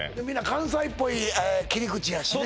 関西っぽい切り口やしね